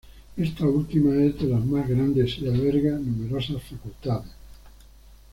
Esta última es de las más grandes y alberga numerosas facultades.